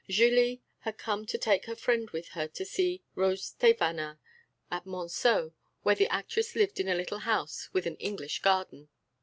Julie had come to take her friend with her to see Rose Thévenin at Monceaux, where the actress lived in a little house with an English garden.